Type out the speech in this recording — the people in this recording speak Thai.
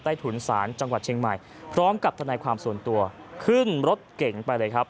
ถุนศาลจังหวัดเชียงใหม่พร้อมกับทนายความส่วนตัวขึ้นรถเก่งไปเลยครับ